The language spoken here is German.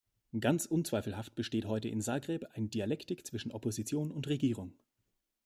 Ganz unzweifelhaft besteht heute in Zagreb ein Dialektik zwischen Opposition und Regierung.